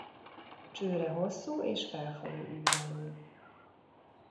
Csőre hosszú és felfelé ívelő.